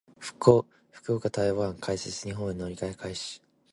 福岡・台北線開設。日本への乗り入れ開始。